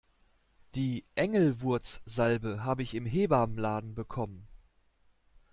Die Engelwurzsalbe habe ich im Hebammenladen bekommen.